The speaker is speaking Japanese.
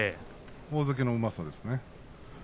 大関のうまさですね。